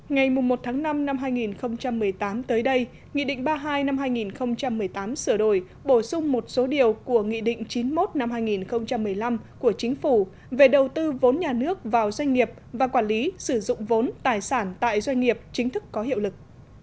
ngày một tháng năm năm hai nghìn một mươi tám tới đây nghị định ba mươi hai năm hai nghìn một mươi tám sửa đổi bổ sung một số điều của nghị định chín mươi một năm hai nghìn một mươi năm của chính phủ về đầu tư vốn nhà nước vào doanh nghiệp và quản lý sử dụng vốn tài sản tại doanh nghiệp chính thức có hiệu lực